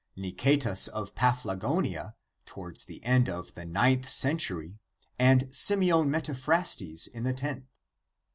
Nicetas of Paphlagonia, towards the end of the ninth century, and Simeon Metaphrastes in the tenth.